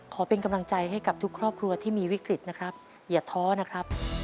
ขอเป็นกำลังใจให้กับทุกครอบครัวที่มีวิกฤตนะครับอย่าท้อนะครับ